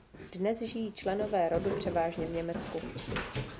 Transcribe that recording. Dnes žijí členové rodu převážně v Německu.